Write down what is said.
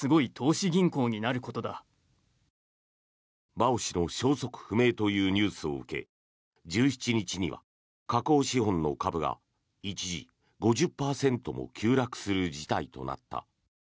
バオ氏の消息不明というニュースを受け１７日には華興資本の株が一時、５０％も急落する事態となった。